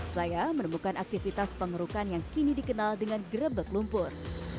saya menemukan aktivitas pengerukan yang kini dikenal dengan gerebek lumpur